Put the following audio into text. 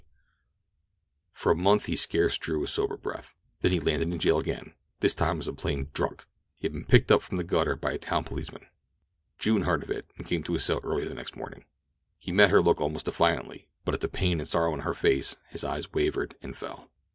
For a month he scarce drew a sober breath. Then he landed in jail again—this time as a plain "drunk"—he had been picked up from the gutter by a town policeman. June heard of it, and came to his cell early the next morning. He met her look almost defiantly, but at the pain and sorrow in her face his eyes wavered and fell.